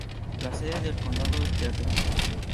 La sede del condado es Terry.